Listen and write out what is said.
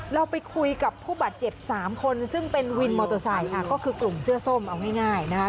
เราไปคุยกับผู้บาดเจ็บ๓คนซึ่งเป็นวินมอเตอร์ไซค์ก็คือกลุ่มเสื้อส้มเอาง่ายนะคะ